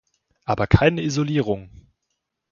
Aber keine Isolierung!